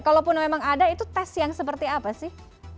kalaupun memang ada itu tes yang seperti apa sih